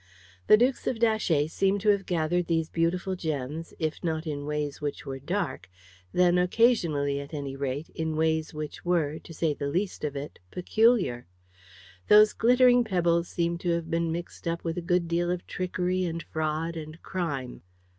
The Dukes of Datchet seemed to have gathered those beautiful gems, if not in ways which were dark, then occasionally, at any rate, in ways which were, to say the least of it, peculiar. Those glittering pebbles seemed to have been mixed up with a good deal of trickery and fraud and crime.